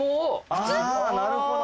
あぁなるほど。